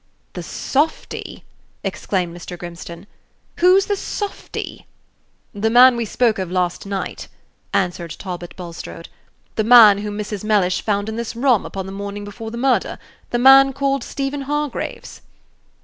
"The softy!" exclaimed Mr. Grimstone. "Who's the softy?" "The man we spoke of last night," answered Talbot Bulstrode; "the man whom Mrs. Mellish found in this room upon the morning before the murder the man called Stephen Hargraves."